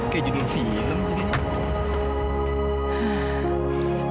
kayak judul film